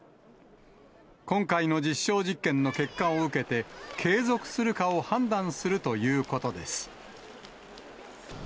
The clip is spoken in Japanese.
今回の実証実験の結果を受けて、継続するかを判断するということです。